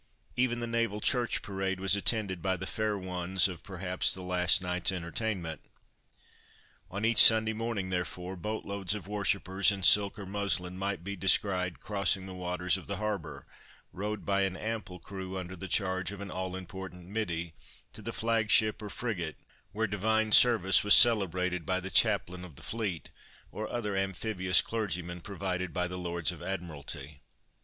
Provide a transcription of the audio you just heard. Even the naval Church parade was attended by the fair ones of perhaps the last night's entertainment. On each Sunday morning, therefore, boat loads of worshippers, in silk or muslin, might be descried crossing the waters of the harbour, rowed by an ample crew, under the charge of an all important middy, to the flag ship or frigate, where divine service was celebrated by the Chaplain of the Fleet, or other amphibious clergyman, provided by the Lords of the Admiralty.